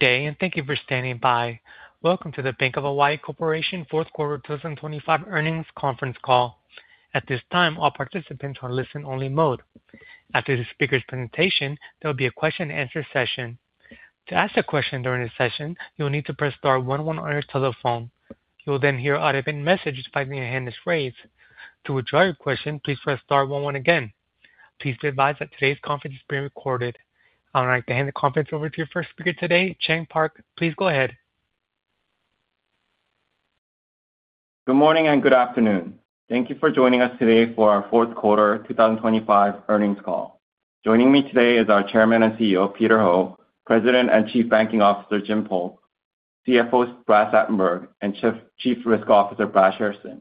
Good day, and thank you for standing by. Welcome to the Bank of Hawaii Corporation Fourth Quarter 2025 Earnings Conference Call. At this time, all participants are in listen-only mode. After the speaker's presentation, there will be a question-and-answer session. To ask a question during this session, you will need to press star one one on your telephone. You will then hear an automated message with five pre-recorded phrases. To withdraw your question, please press star one one again. Please be advised that today's conference is being recorded. I would like to hand the conference over to your first speaker today, Chang Park. Please go ahead. Good morning and good afternoon. Thank you for joining us today for our Fourth Quarter 2025 Earnings Call. Joining me today is our Chairman and CEO, Peter Ho, President and Chief Banking Officer, Jim Polk, CFO, Brad Satenberg, and Chief Risk Officer, Brad Shairson.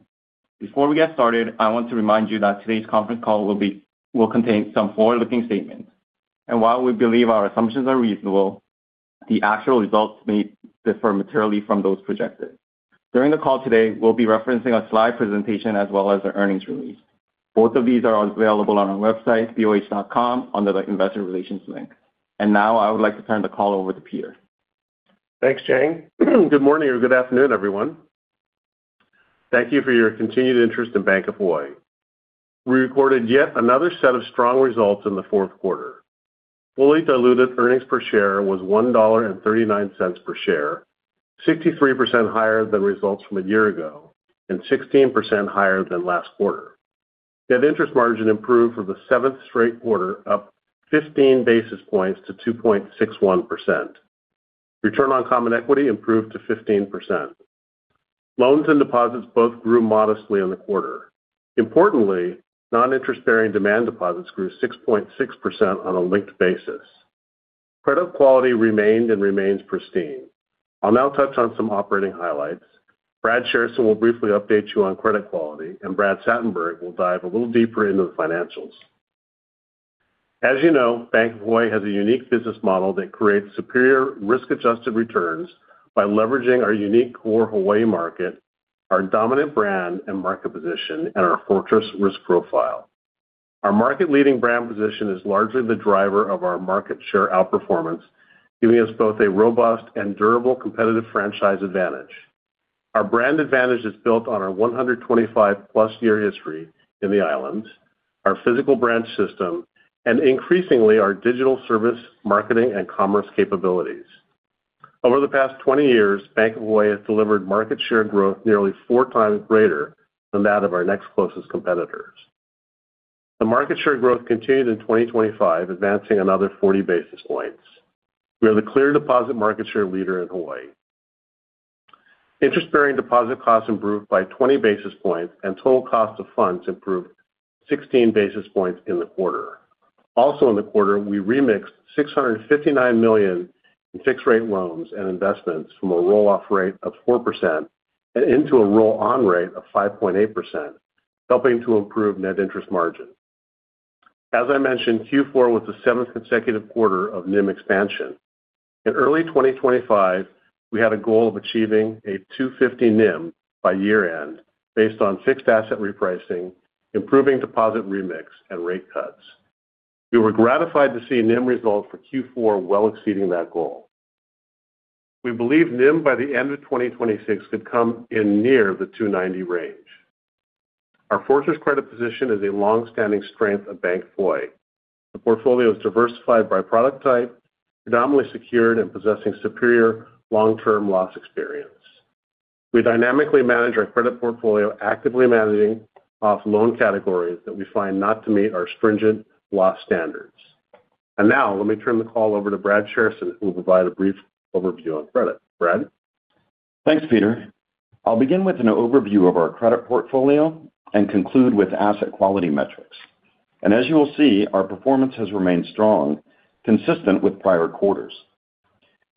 Before we get started, I want to remind you that today's conference call will contain some forward-looking statements. While we believe our assumptions are reasonable, the actual results may differ materially from those projected. During the call today, we'll be referencing a slide presentation as well as an earnings release. Both of these are available on our website, boh.com, under the Investor Relations link. Now I would like to turn the call over to Peter. Thanks, Chang. Good morning or good afternoon, everyone. Thank you for your continued interest in Bank of Hawaii. We recorded yet another set of strong results in the fourth quarter. Fully diluted earnings per share was $1.39 per share, 63% higher than results from a year ago and 16% higher than last quarter. Net interest margin improved for the seventh straight quarter, up 15 basis points to 2.61%. Return on common equity improved to 15%. Loans and deposits both grew modestly in the quarter. Importantly, non-interest-bearing demand deposits grew 6.6% on a linked basis. Credit quality remained and remains pristine. I'll now touch on some operating highlights. Brad Shairson will briefly update you on credit quality, and Brad Satenberg will dive a little deeper into the financials. As you know, Bank of Hawaii has a unique business model that creates superior risk-adjusted returns by leveraging our unique core Hawaii market, our dominant brand and market position, and our fortress risk profile. Our market-leading brand position is largely the driver of our market share outperformance, giving us both a robust and durable competitive franchise advantage. Our brand advantage is built on our 125+ year history in the islands, our physical branch system, and increasingly our digital service, marketing, and commerce capabilities. Over the past 20 years, Bank of Hawaii has delivered market share growth nearly four times greater than that of our next closest competitors. The market share growth continued in 2025, advancing another 40 basis points. We are the clear deposit market share leader in Hawaii. Interest-bearing deposit costs improved by 20 basis points, and total cost of funds improved 16 basis points in the quarter. Also, in the quarter, we remixed $659 million in fixed-rate loans and investments from a roll-off rate of 4% and into a roll-on rate of 5.8%, helping to improve net interest margin. As I mentioned, Q4 was the seventh consecutive quarter of NIM expansion. In early 2025, we had a goal of achieving a 2.50% NIM by year-end based on fixed asset repricing, improving deposit remix, and rate cuts. We were gratified to see NIM results for Q4 well exceeding that goal. We believe NIM by the end of 2026 could come in near the 2.90% range. Our fortress credit position is a long-standing strength of Bank of Hawaii. The portfolio is diversified by product type, predominantly secured and possessing superior long-term loss experience. We dynamically manage our credit portfolio, actively managing off loan categories that we find not to meet our stringent loss standards. And now let me turn the call over to Brad Shairson, who will provide a brief overview on credit. Brad? Thanks, Peter. I'll begin with an overview of our credit portfolio and conclude with asset quality metrics. As you will see, our performance has remained strong, consistent with prior quarters.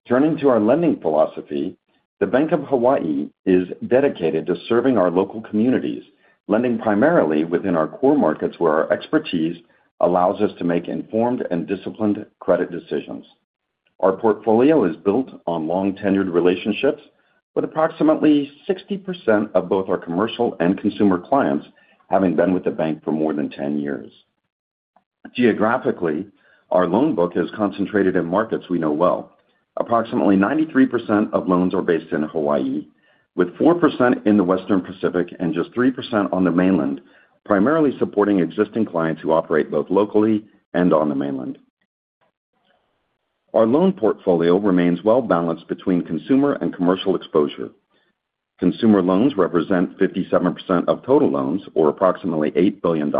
Turning to our lending philosophy, the Bank of Hawaii is dedicated to serving our local communities, lending primarily within our core markets where our expertise allows us to make informed and disciplined credit decisions. Our portfolio is built on long-tenured relationships, with approximately 60% of both our commercial and consumer clients having been with the bank for more than 10 years. Geographically, our loan book is concentrated in markets we know well. Approximately 93% of loans are based in Hawaii, with 4% in the Western Pacific and just 3% on the mainland, primarily supporting existing clients who operate both locally and on the mainland. Our loan portfolio remains well balanced between consumer and commercial exposure. Consumer loans represent 57% of total loans, or approximately $8 billion.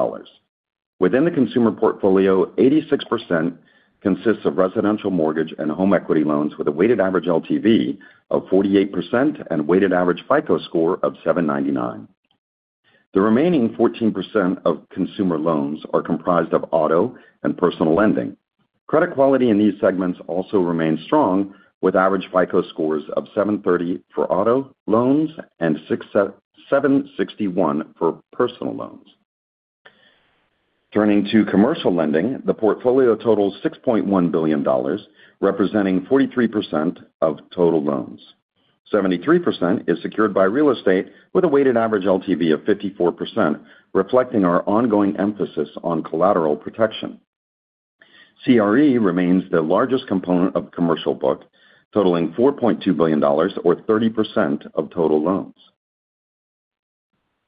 Within the consumer portfolio, 86% consists of residential mortgage and home equity loans with a weighted average LTV of 48% and weighted average FICO score of 799. The remaining 14% of consumer loans are comprised of auto and personal lending. Credit quality in these segments also remains strong, with average FICO scores of 730 for auto loans and 761 for personal loans. Turning to commercial lending, the portfolio totals $6.1 billion, representing 43% of total loans. 73% is secured by real estate, with a weighted average LTV of 54%, reflecting our ongoing emphasis on collateral protection. CRE remains the largest component of the commercial book, totaling $4.2 billion, or 30% of total loans.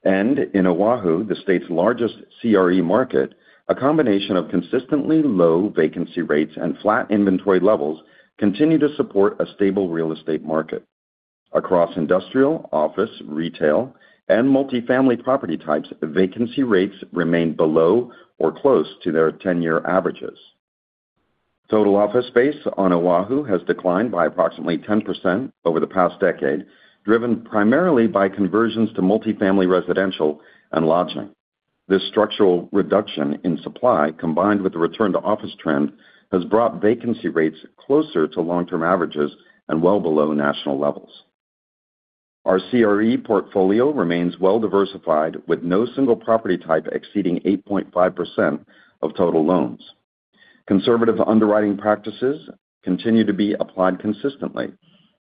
In Oahu, the state's largest CRE market, a combination of consistently low vacancy rates and flat inventory levels continue to support a stable real estate market. Across industrial, office, retail, and multifamily property types, vacancy rates remain below or close to their 10-year averages. Total office space on Oahu has declined by approximately 10% over the past decade, driven primarily by conversions to multifamily residential and lodging. This structural reduction in supply, combined with the return-to-office trend, has brought vacancy rates closer to long-term averages and well below national levels. Our CRE portfolio remains well diversified, with no single property type exceeding 8.5% of total loans. Conservative underwriting practices continue to be applied consistently,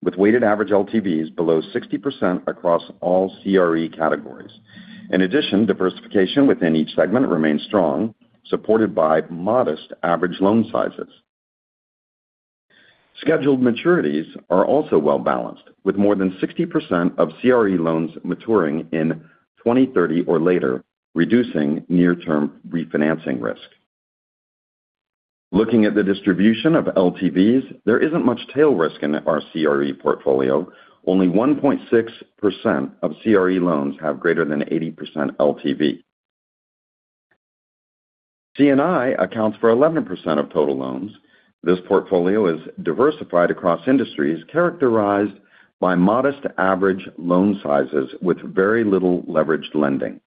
with weighted average LTVs below 60% across all CRE categories. In addition, diversification within each segment remains strong, supported by modest average loan sizes. Scheduled maturities are also well balanced, with more than 60% of CRE loans maturing in 2030 or later, reducing near-term refinancing risk. Looking at the distribution of LTVs, there isn't much tail risk in our CRE portfolio. Only 1.6% of CRE loans have greater than 80% LTV. C&I accounts for 11% of total loans. This portfolio is diversified across industries characterized by modest average loan sizes with very little leveraged lending.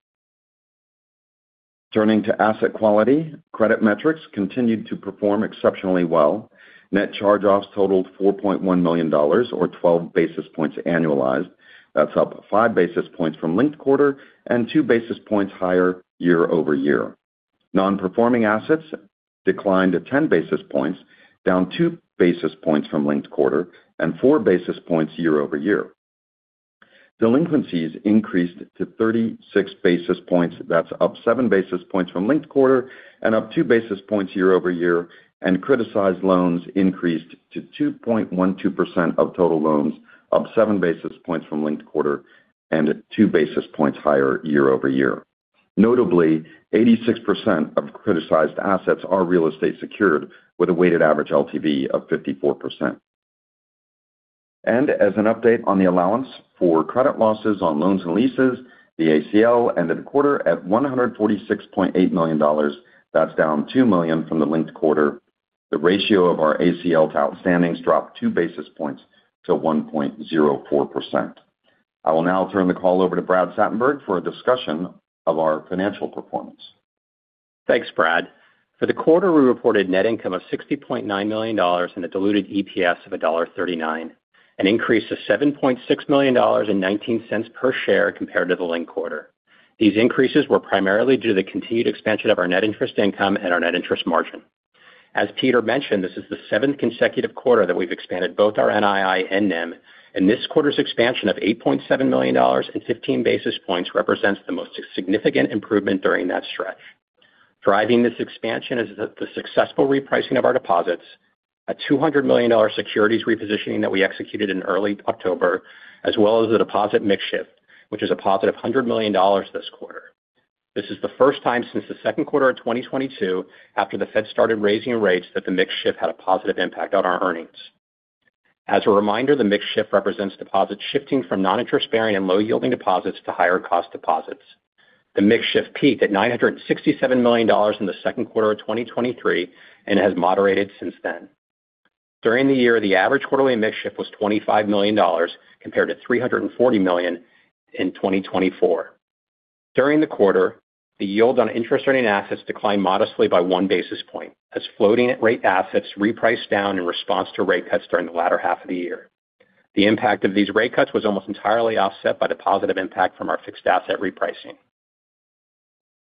Turning to asset quality, credit metrics continue to perform exceptionally well. Net Charge-Offs totaled $4.1 million, or 12 basis points annualized. That's up 5 basis points from linked quarter and 2 basis points higher year-over-year. Non-Performing Assets declined to 10 basis points, down 2 basis points from linked quarter and 4 basis points year-over-year. Delinquencies increased to 36 basis points. That's up 7 basis points from linked quarter and up 2 basis points year-over-year. And criticized loans increased to 2.12% of total loans, up 7 basis points from linked quarter and 2 basis points higher year-over-year. Notably, 86% of criticized assets are real estate secured, with a weighted average LTV of 54%. And as an update on the allowance for credit losses on loans and leases, the ACL ended the quarter at $146.8 million. That's down $2 million from the linked quarter. The ratio of our ACL to outstandings dropped 2 basis points to 1.04%. I will now turn the call over to Brad Satenberg for a discussion of our financial performance. Thanks, Brad. For the quarter, we reported net income of $60.9 million and a diluted EPS of $1.39, an increase of $7.6 million and $0.19 per share compared to the linked quarter. These increases were primarily due to the continued expansion of our net interest income and our net interest margin. As Peter mentioned, this is the seventh consecutive quarter that we've expanded both our NII and NIM, and this quarter's expansion of $8.7 million and 15 basis points represents the most significant improvement during that stretch. Driving this expansion is the successful repricing of our deposits, a $200 million securities repositioning that we executed in early October, as well as the deposit mix shift, which is a positive $100 million this quarter. This is the first time since the second quarter of 2022, after the Fed started raising rates, that the mix shift had a positive impact on our earnings. As a reminder, the mix shift represents deposits shifting from non-interest-bearing and low-yielding deposits to higher-cost deposits. The mix shift peaked at $967 million in the second quarter of 2023 and has moderated since then. During the year, the average quarterly mix shift was $25 million compared to $340 million in 2024. During the quarter, the yield on interest-bearing assets declined modestly by one basis point, as floating-rate assets repriced down in response to rate cuts during the latter half of the year. The impact of these rate cuts was almost entirely offset by the positive impact from our fixed asset repricing.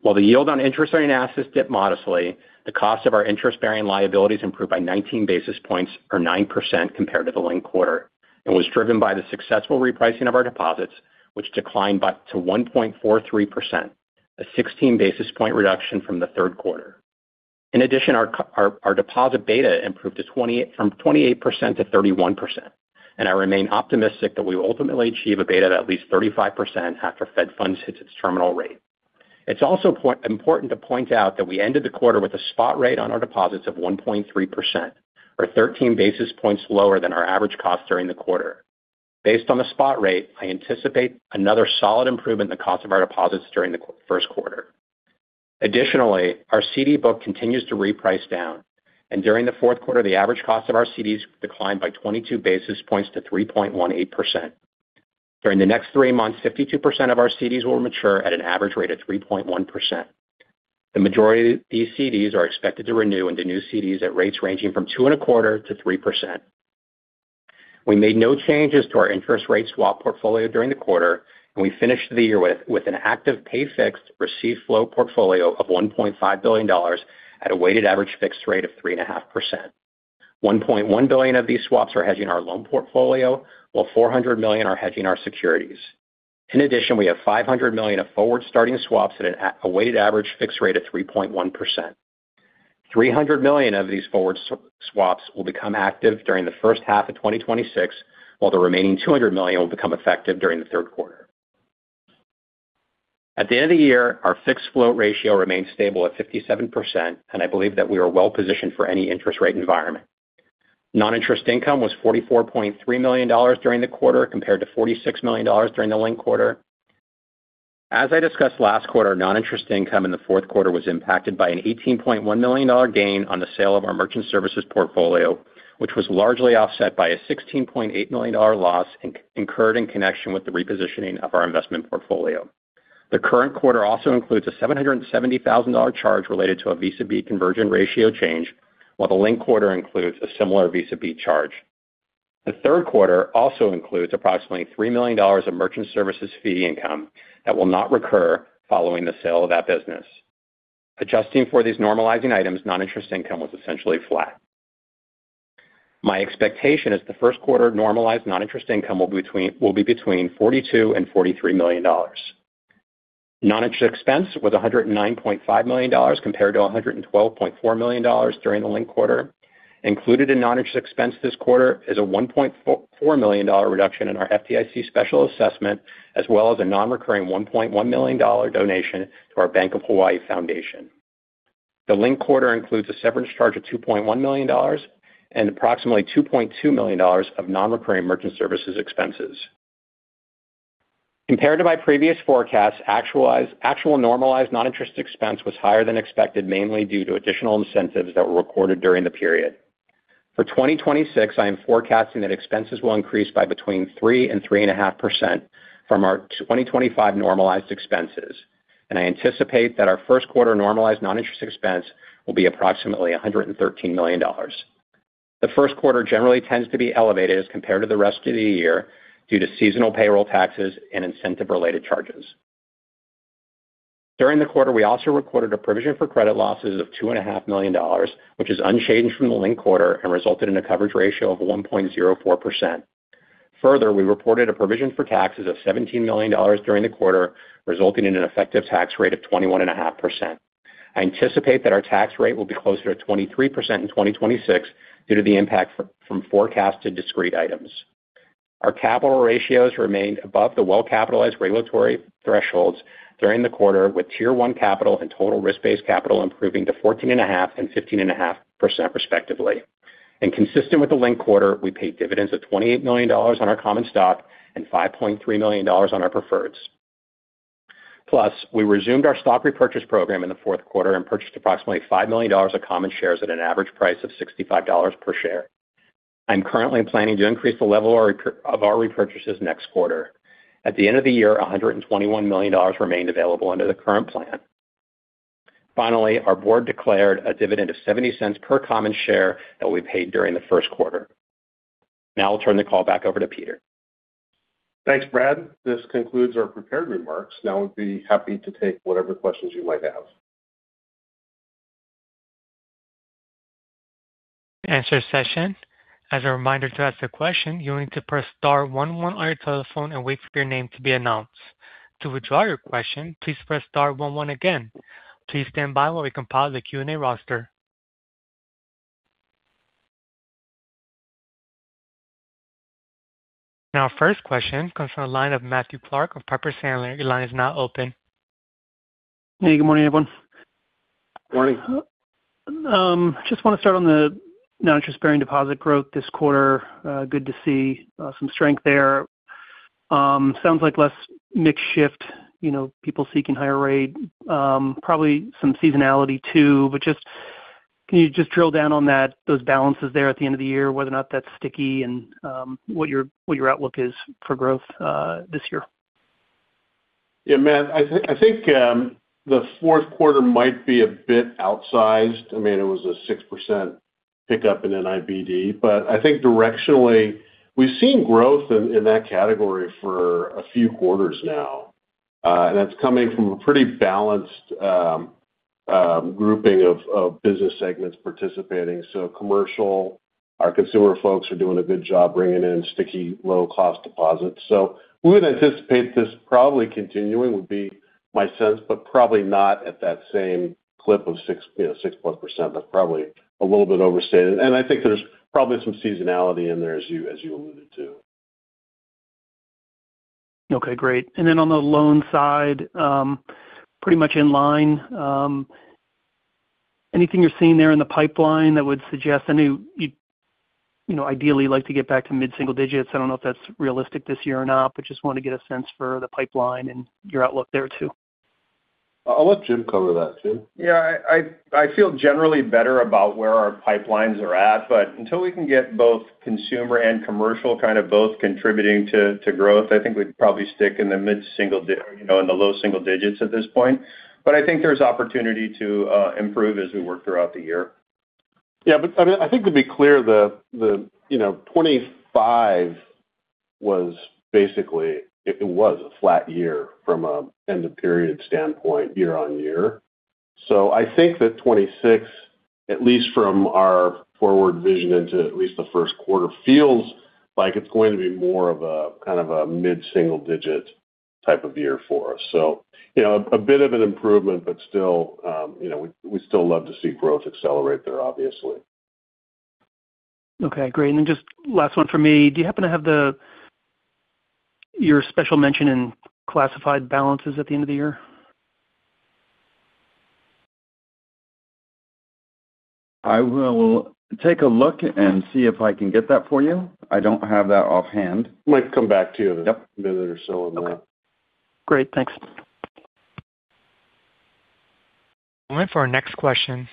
While the yield on interest-bearing assets dipped modestly, the cost of our interest-bearing liabilities improved by 19 basis points, or 9%, compared to the linked quarter. It was driven by the successful repricing of our deposits, which declined to 1.43%, a 16 basis point reduction from the third quarter. In addition, our deposit beta improved from 28% to 31%, and I remain optimistic that we will ultimately achieve a beta of at least 35% after Fed funds hit its terminal rate. It's also important to point out that we ended the quarter with a spot rate on our deposits of 1.3%, or 13 basis points lower than our average cost during the quarter. Based on the spot rate, I anticipate another solid improvement in the cost of our deposits during the first quarter. Additionally, our CD book continues to reprice down, and during the fourth quarter, the average cost of our CDs declined by 22 basis points to 3.18%. During the next three months, 52% of our CDs will mature at an average rate of 3.1%. The majority of these CDs are expected to renew into new CDs at rates ranging from 2.25%-3%. We made no changes to our interest rate swap portfolio during the quarter, and we finished the year with an active pay-fixed receive-float portfolio of $1.5 billion at a weighted average fixed rate of 3.5%. $1.1 billion of these swaps are hedging our loan portfolio, while $400 million are hedging our securities. In addition, we have $500 million of forward-starting swaps at a weighted average fixed rate of 3.1%. $300 million of these forward-starting swaps will become active during the first half of 2026, while the remaining $200 million will become effective during the third quarter. At the end of the year, our fixed/float ratio remained stable at 57%, and I believe that we are well positioned for any interest rate environment. Noninterest income was $44.3 million during the quarter, compared to $46 million during the linked quarter. As I discussed last quarter, noninterest income in the fourth quarter was impacted by an $18.1 million gain on the sale of our merchant services portfolio, which was largely offset by a $16.8 million loss incurred in connection with the repositioning of our investment portfolio. The current quarter also includes a $770,000 charge related to a Visa conversion ratio change, while the linked quarter includes a similar Visa charge. The third quarter also includes approximately $3 million of merchant services fee income that will not recur following the sale of that business. Adjusting for these normalizing items, noninterest income was essentially flat. My expectation is the first quarter normalized noninterest income will be between $42 and $43 million. Noninterest expense was $109.5 million compared to $112.4 million during the linked quarter. Included in noninterest expense this quarter is a $1.4 million reduction in our FDIC special assessment, as well as a non-recurring $1.1 million donation to our Bank of Hawaii Foundation. The linked quarter includes a severance charge of $2.1 million and approximately $2.2 million of non-recurring merchant services expenses. Compared to my previous forecasts, actual normalized noninterest expense was higher than expected, mainly due to additional incentives that were recorded during the period. For 2026, I am forecasting that expenses will increase by between 3% and 3.5% from our 2025 normalized expenses, and I anticipate that our first quarter normalized non-interest expense will be approximately $113 million. The first quarter generally tends to be elevated as compared to the rest of the year due to seasonal payroll taxes and incentive-related charges. During the quarter, we also recorded a provision for credit losses of $2.5 million, which is unchanged from the linked quarter and resulted in a coverage ratio of 1.04%. Further, we reported a provision for taxes of $17 million during the quarter, resulting in an effective tax rate of 21.5%. I anticipate that our tax rate will be closer to 23% in 2026 due to the impact from forecasted discrete items. Our capital ratios remained above the well-capitalized regulatory thresholds during the quarter, with Tier 1 capital and total risk-based capital improving to 14.5% and 15.5%, respectively. Consistent with the linked quarter, we paid dividends of $28 million on our common stock and $5.3 million on our preferreds. Plus, we resumed our stock repurchase program in the fourth quarter and purchased approximately $5 million of common shares at an average price of $65 per share. I'm currently planning to increase the level of our repurchases next quarter. At the end of the year, $121 million remained available under the current plan. Finally, our board declared a dividend of $0.70 per common share that we paid during the first quarter. Now I'll turn the call back over to Peter. Thanks, Brad. This concludes our prepared remarks. Now we'd be happy to take whatever questions you might have. Q&A session. As a reminder to ask a question, you'll need to press star one one on your telephone and wait for your name to be announced. To withdraw your question, please press star one one again. Please stand by while we compile the Q&A roster. Now, our first question comes from the line of Matthew Clark of Piper Sandler. Your line is now open. Hey, good morning, everyone. Morning. Just want to start on the non-interest-bearing deposit growth this quarter. Good to see some strength there. Sounds like less mix shift, people seeking higher rate, probably some seasonality too. But can you just drill down on those balances there at the end of the year, whether or not that's sticky, and what your outlook is for growth this year? Yeah, man, I think the fourth quarter might be a bit outsized. I mean, it was a 6% pickup in NIBD. But I think directionally, we've seen growth in that category for a few quarters now, and that's coming from a pretty balanced grouping of business segments participating. So commercial, our consumer folks are doing a good job bringing in sticky, low-cost deposits. So we would anticipate this probably continuing would be my sense, but probably not at that same clip of 6+%. That's probably a little bit overstated. And I think there's probably some seasonality in there, as you alluded to. Okay, great. Then on the loan side, pretty much in line, anything you're seeing there in the pipeline that would suggest any ideally like to get back to mid-single digits? I don't know if that's realistic this year or not, but just want to get a sense for the pipeline and your outlook there too. I'll let Jim cover that, Jim. Yeah, I feel generally better about where our pipelines are at. But until we can get both consumer and commercial kind of both contributing to growth, I think we'd probably stick in the mid-single in the low single digits at this point. But I think there's opportunity to improve as we work throughout the year. Yeah, but I think to be clear, the 2025 was basically it was a flat year from an end-of-period standpoint year-over-year. So I think that 2026, at least from our forward vision into at least the first quarter, feels like it's going to be more of a kind of a mid-single-digit type of year for us. So a bit of an improvement, but still, we'd still love to see growth accelerate there, obviously. Okay, great. And then just last one for me. Do you happen to have your special mention in classified balances at the end of the year? I will take a look and see if I can get that for you. I don't have that offhand. I might come back to you in a minute or so on that. Okay. Great. Thanks. We'll move to our next question.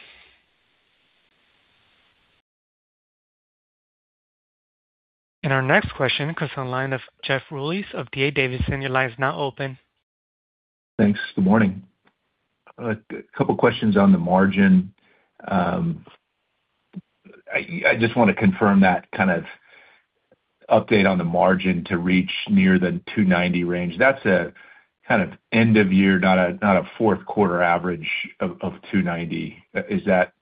Our next question comes from the line of Jeff Rulis of D.A. Davidson. Your line is now open. Thanks. Good morning. A couple of questions on the margin. I just want to confirm that kind of update on the margin to reach near the 290 range. That's a kind of end-of-year, not a fourth quarter average of 290. Is that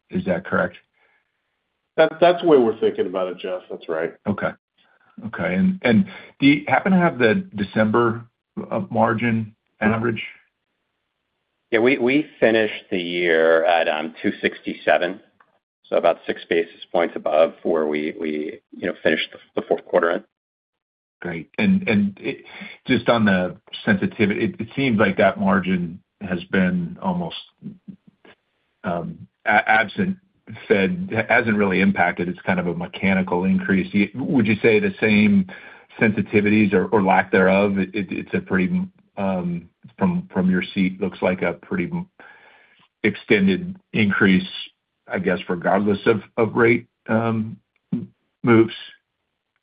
correct? That's the way we're thinking about it, Jeff. That's right. Okay. Okay. Do you happen to have the December margin average? Yeah. We finished the year at 267, so about 6 basis points above where we finished the fourth quarter in. Great. And just on the sensitivity, it seems like that margin has been almost absent. Fed hasn't really impacted. It's kind of a mechanical increase. Would you say the same sensitivities or lack thereof? It's a pretty from your seat. Looks like a pretty extended increase, I guess, regardless of rate moves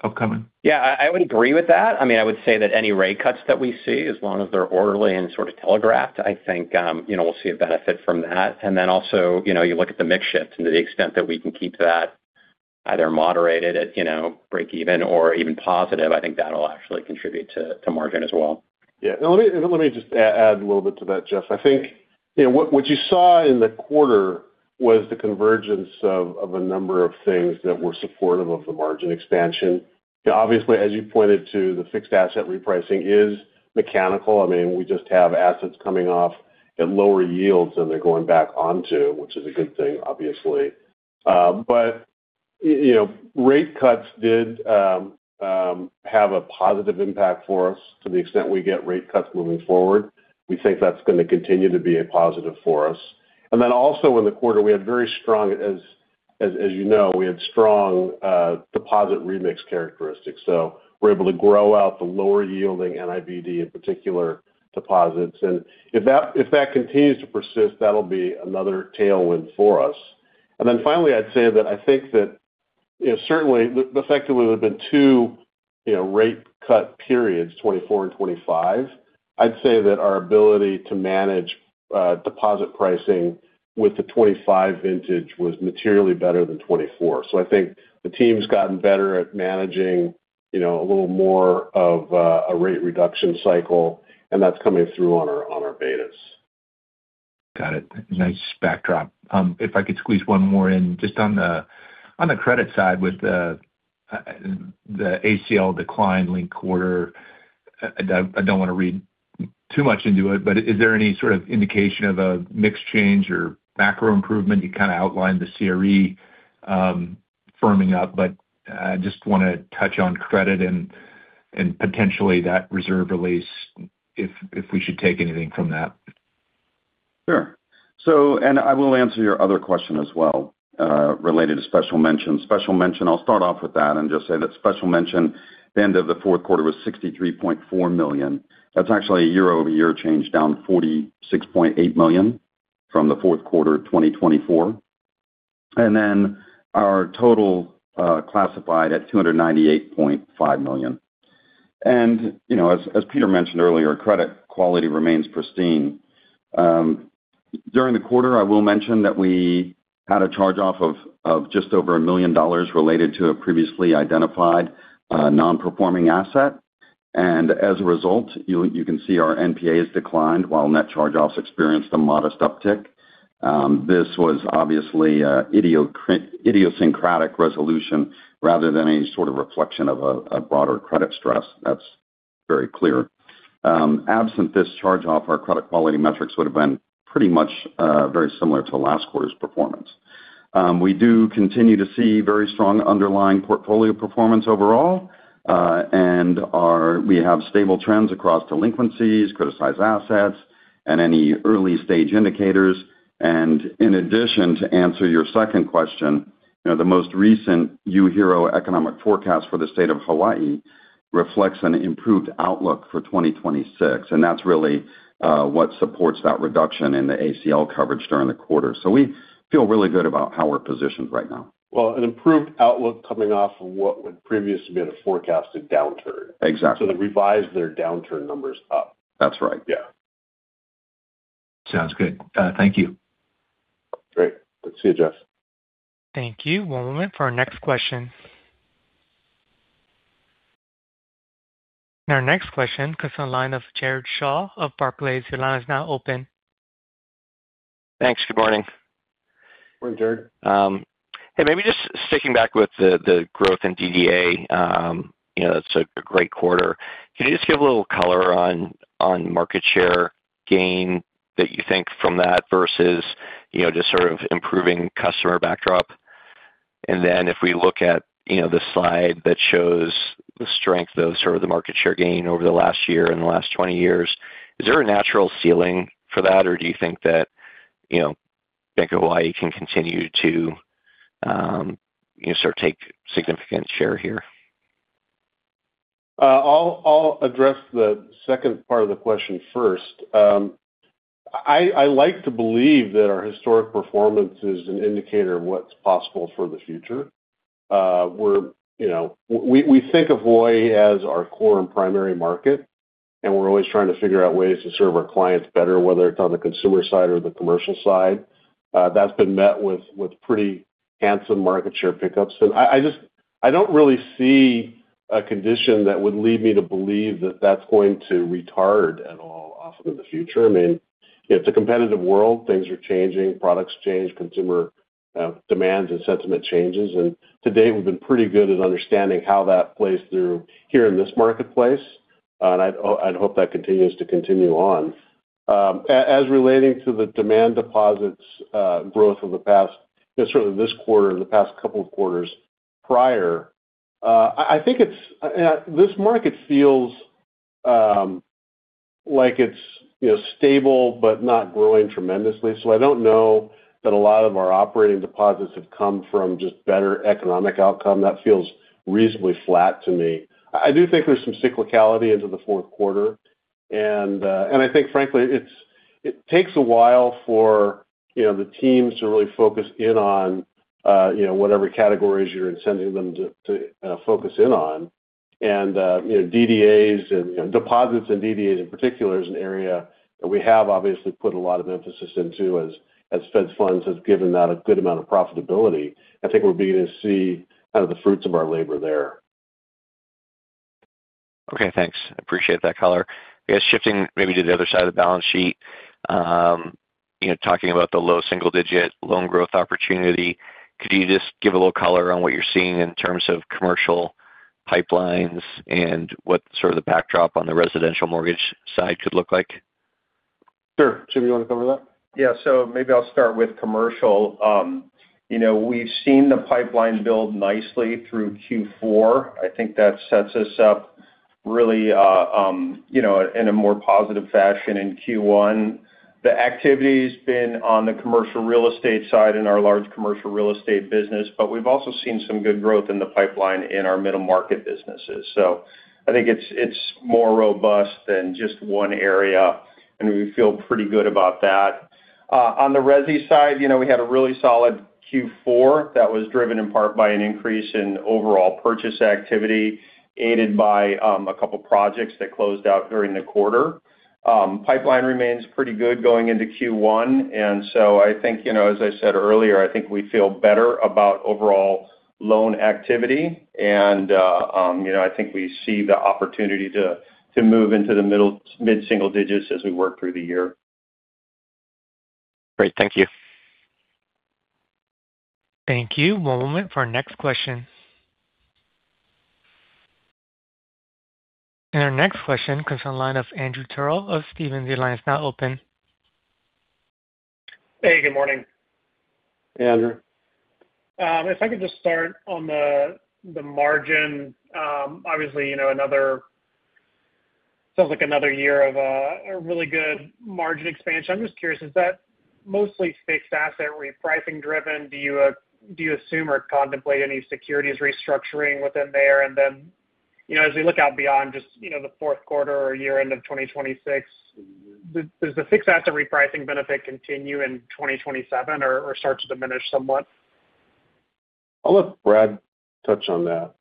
upcoming? Yeah, I would agree with that. I mean, I would say that any rate cuts that we see, as long as they're orderly and sort of telegraphed, I think we'll see a benefit from that. And then also, you look at the mix shift, and to the extent that we can keep that either moderated at break-even or even positive, I think that'll actually contribute to margin as well. Yeah. And let me just add a little bit to that, Jeff. I think what you saw in the quarter was the convergence of a number of things that were supportive of the margin expansion. Obviously, as you pointed to, the fixed asset repricing is mechanical. I mean, we just have assets coming off at lower yields than they're going back onto, which is a good thing, obviously. But rate cuts did have a positive impact for us to the extent we get rate cuts moving forward. We think that's going to continue to be a positive for us. And then also in the quarter, we had very strong, as you know, we had strong deposit remix characteristics. So we're able to grow out the lower-yielding NIBD, in particular, deposits. And if that continues to persist, that'll be another tailwind for us. And then finally, I'd say that I think that certainly, effectively, there have been two rate cut periods, 2024 and 2025. I'd say that our ability to manage deposit pricing with the 2025 vintage was materially better than 2024. So I think the team's gotten better at managing a little more of a rate reduction cycle, and that's coming through on our betas. Got it. Nice backdrop. If I could squeeze one more in, just on the credit side with the ACL decline linked quarter, I don't want to read too much into it, but is there any sort of indication of a mix change or macro improvement? You kind of outlined the CRE firming up, but I just want to touch on credit and potentially that reserve release if we should take anything from that? Sure. I will answer your other question as well related to special mention. Special mention, I'll start off with that and just say that special mention, the end of the fourth quarter was $63.4 million. That's actually a year-over-year change down $46.8 million from the fourth quarter of 2024. Then our total classified at $298.5 million. As Peter mentioned earlier, credit quality remains pristine. During the quarter, I will mention that we had a charge-off of just over $1 million related to a previously identified non-performing asset. As a result, you can see our NPAs declined while net charge-offs experienced a modest uptick. This was obviously an idiosyncratic resolution rather than a sort of reflection of a broader credit stress. That's very clear. Absent this charge-off, our credit quality metrics would have been pretty much very similar to last quarter's performance. We do continue to see very strong underlying portfolio performance overall, and we have stable trends across delinquencies, criticized assets, and any early-stage indicators. In addition, to answer your second question, the most recent UHERO economic forecast for the state of Hawaii reflects an improved outlook for 2026. That's really what supports that reduction in the ACL coverage during the quarter. We feel really good about how we're positioned right now. Well, an improved outlook coming off of what would previously be a forecasted downturn. Exactly. They revised their downturn numbers up. That's right. Yeah. Sounds good. Thank you. Great. Good to see you, Jeff. Thank you. One moment for our next question. Our next question comes from the line of Jared Shaw of Barclays. Your line is now open. Thanks. Good morning. Morning, Jared. Hey, maybe just sticking back with the growth in DDA, that's a great quarter. Can you just give a little color on market share gain that you think from that versus just sort of improving customer backdrop? And then if we look at the slide that shows the strength of sort of the market share gain over the last year and the last 20 years, is there a natural ceiling for that, or do you think that Bank of Hawaii can continue to sort of take significant share here? I'll address the second part of the question first. I like to believe that our historic performance is an indicator of what's possible for the future. We think of Hawaii as our core and primary market, and we're always trying to figure out ways to serve our clients better, whether it's on the consumer side or the commercial side. That's been met with pretty handsome market share pickups. And I don't really see a condition that would lead me to believe that that's going to retard at all often in the future. I mean, it's a competitive world. Things are changing. Products change. Consumer demands and sentiment changes. And to date, we've been pretty good at understanding how that plays through here in this marketplace. And I'd hope that continues to continue on. As relating to the demand deposits growth of the past, certainly this quarter and the past couple of quarters prior, I think this market feels like it's stable but not growing tremendously. I don't know that a lot of our operating deposits have come from just better economic outcome. That feels reasonably flat to me. I do think there's some cyclicality into the fourth quarter. I think, frankly, it takes a while for the teams to really focus in on whatever categories you're sending them to focus in on. Deposits and DDAs in particular is an area that we have obviously put a lot of emphasis into as Fed funds have given that a good amount of profitability. I think we're beginning to see kind of the fruits of our labor there. Okay. Thanks. I appreciate that color. I guess shifting maybe to the other side of the balance sheet, talking about the low single-digit loan growth opportunity, could you just give a little color on what you're seeing in terms of commercial pipelines and what sort of the backdrop on the residential mortgage side could look like? Sure. Jim, you want to cover that? Yeah. So maybe I'll start with commercial. We've seen the pipeline build nicely through Q4. I think that sets us up really in a more positive fashion in Q1. The activity has been on the commercial real estate side in our large commercial real estate business, but we've also seen some good growth in the pipeline in our middle market businesses. So I think it's more robust than just one area, and we feel pretty good about that. On the Resi side, we had a really solid Q4 that was driven in part by an increase in overall purchase activity aided by a couple of projects that closed out during the quarter. Pipeline remains pretty good going into Q1. And so I think, as I said earlier, I think we feel better about overall loan activity. I think we see the opportunity to move into the mid-single digits as we work through the year. Great. Thank you. Thank you. One moment for our next question. Our next question comes from the line of Andrew Terrell of Stephens Inc. The line is now open. Hey. Good morning. Hey, Andrew. If I could just start on the margin, obviously, it sounds like another year of a really good margin expansion. I'm just curious, is that mostly fixed asset repricing driven? Do you assume or contemplate any securities restructuring within there? And then as we look out beyond just the fourth quarter or year-end of 2026, does the fixed asset repricing benefit continue in 2027 or start to diminish somewhat? I'll let Brad touch on that.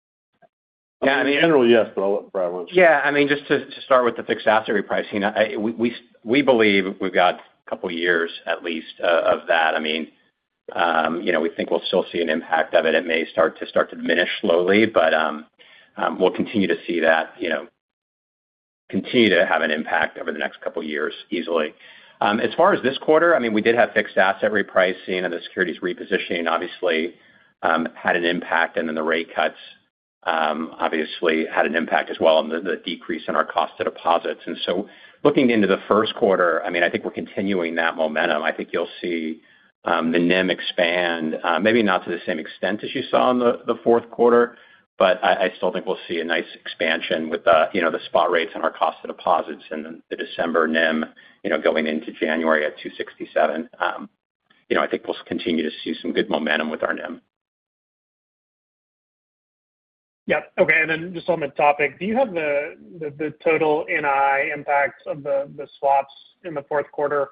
Yeah. I mean. In general, yes, but I'll let Brad answer. Yeah. I mean, just to start with the fixed asset repricing, we believe we've got a couple of years at least of that. I mean, we think we'll still see an impact of it. It may start to diminish slowly, but we'll continue to see that continue to have an impact over the next couple of years easily. As far as this quarter, I mean, we did have fixed asset repricing and the securities repositioning obviously had an impact. And then the rate cuts obviously had an impact as well on the decrease in our cost of deposits. And so looking into the first quarter, I mean, I think we're continuing that momentum. I think you'll see the NIM expand, maybe not to the same extent as you saw in the fourth quarter, but I still think we'll see a nice expansion with the spot rates on our cost of deposits and the December NIM going into January at 267. I think we'll continue to see some good momentum with our NIM. Yep. Okay. And then just on the topic, do you have the total NI impact of the swaps in the fourth quarter,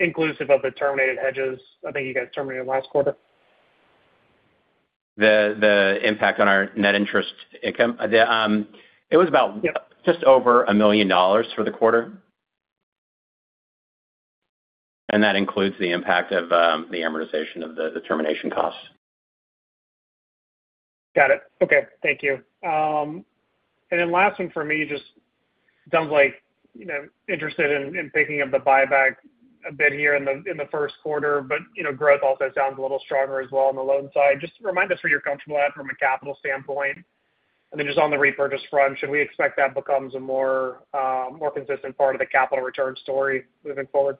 inclusive of the terminated hedges? I think you guys terminated last quarter. The impact on our net interest income? It was about just over $1 million for the quarter. And that includes the impact of the amortization of the termination costs. Got it. Okay. Thank you. And then last one for me, just sounds like interested in picking up the buyback a bit here in the first quarter, but growth also sounds a little stronger as well on the loan side. Just remind us where you're comfortable at from a capital standpoint. And then just on the repurchase front, should we expect that becomes a more consistent part of the capital return story moving forward?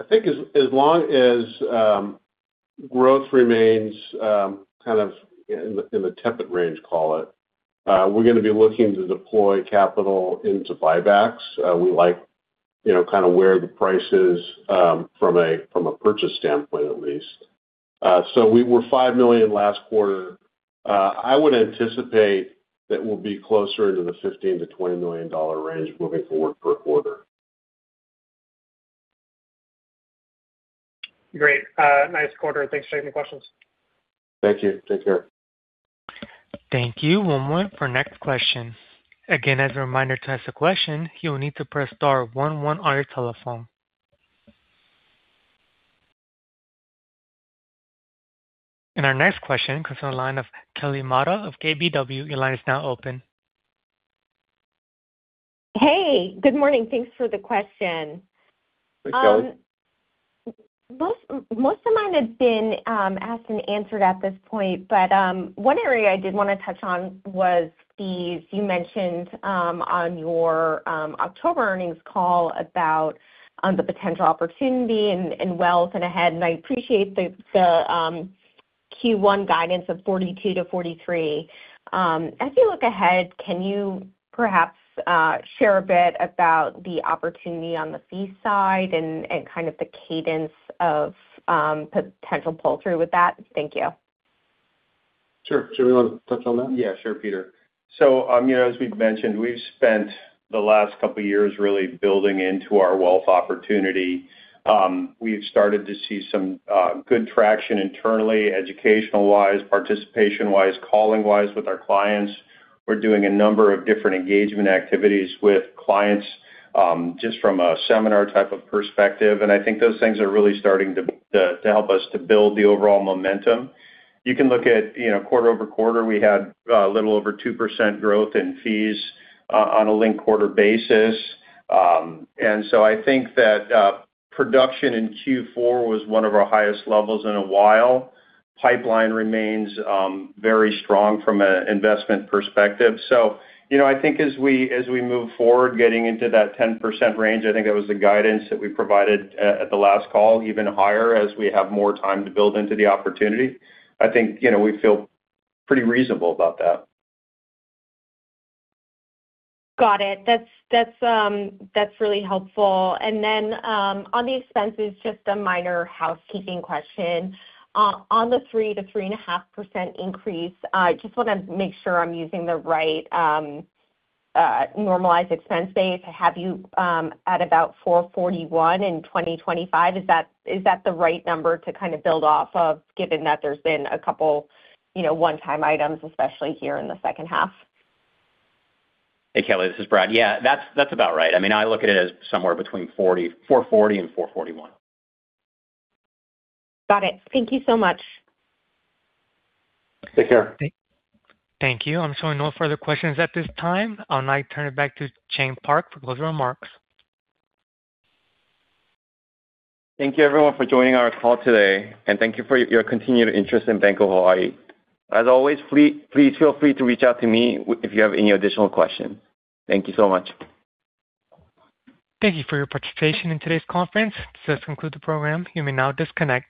I think as long as growth remains kind of in the tepid range, call it, we're going to be looking to deploy capital into buybacks. We like kind of where the price is from a purchase standpoint, at least. So we were $5 million last quarter. I would anticipate that we'll be closer into the $15 million-$20 million range moving forward per quarter. Great. Nice quarter. Thanks for taking the questions. Thank you. Take care. Thank you. One moment for our next question. Again, as a reminder to ask the question, you will need to press star one one on your telephone. Our next question comes from the line of Kelly Motta of KBW. Your line is now open. Hey. Good morning. Thanks for the question. Thanks, Kelly. Most of mine have been asked and answered at this point, but one area I did want to touch on was fees you mentioned on your October earnings call about the potential opportunity and wealth and ahead. I appreciate the Q1 guidance of 42-43. As you look ahead, can you perhaps share a bit about the opportunity on the fee side and kind of the cadence of potential pull-through with that? Thank you. Sure. Should we want to touch on that? Yeah. Sure, Peter. So as we've mentioned, we've spent the last couple of years really building into our wealth opportunity. We've started to see some good traction internally, educational-wise, participation-wise, calling-wise with our clients. We're doing a number of different engagement activities with clients just from a seminar type of perspective. And I think those things are really starting to help us to build the overall momentum. You can look at quarter-over-quarter, we had a little over 2% growth in fees on a linked-quarter basis. And so I think that production in Q4 was one of our highest levels in a while. Pipeline remains very strong from an investment perspective. So I think as we move forward getting into that 10% range, I think that was the guidance that we provided at the last call, even higher as we have more time to build into the opportunity. I think we feel pretty reasonable about that. Got it. That's really helpful. And then on the expenses, just a minor housekeeping question. On the 3%-3.5% increase, I just want to make sure I'm using the right normalized expense base. I have you at about $441 million in 2025. Is that the right number to kind of build off of, given that there's been a couple of one-time items, especially here in the second half? Hey, Kelly. This is Brad. Yeah. That's about right. I mean, I look at it as somewhere between 440 and 441. Got it. Thank you so much. Take care. Thank you. I'm showing no further questions at this time. I'll now turn it back to Chang Park for closing remarks. Thank you, everyone, for joining our call today. Thank you for your continued interest in Bank of Hawaii. As always, please feel free to reach out to me if you have any additional questions. Thank you so much. Thank you for your participation in today's conference. This does conclude the program. You may now disconnect.